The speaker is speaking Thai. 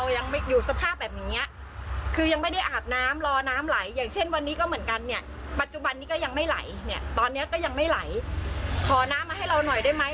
ยังไม่ไหลเนี้ยตอนเนี้ยก็ยังไม่ไหลขอน้ำมาให้เราหน่อยได้ไหม